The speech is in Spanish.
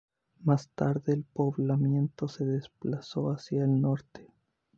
Más tarde el poblamiento se desplazó hacia el norte.